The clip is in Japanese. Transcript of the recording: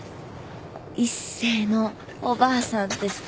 一星のおばあさんですか？